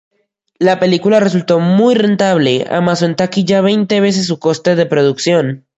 La película resultó muy rentable, amasó en taquilla veinte veces su coste de producción.